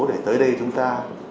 để tới đây chúng ta